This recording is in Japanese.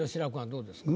どうですか？